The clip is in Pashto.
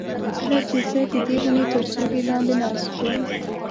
کله چې زه ددې ونې تر سیوري لاندې ناست وم.